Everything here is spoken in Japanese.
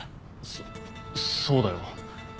そそうだよ。